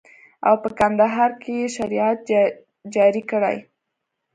او په کندهار کښې يې شريعت جاري کړى.